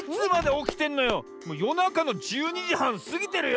もうよなかの１２じはんすぎてるよ！